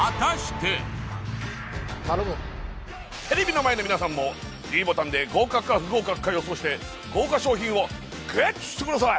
テレビの前の皆さんもｄボタンで合格か不合格か予想して豪華賞品をＧＥＴしてください！